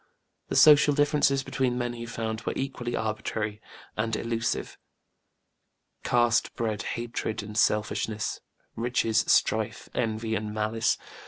The social differences between men he found were equally arbitrary and illusive; caste bred hatred and selfishness; riches strife, envy and malice.